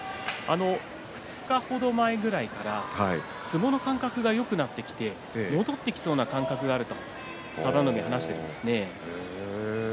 ２日程前ぐらいから相撲の感覚がよくなってきて戻ってきそうな感覚があると佐田の海は話していました。